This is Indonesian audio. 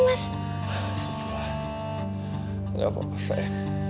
mas aku mau pergi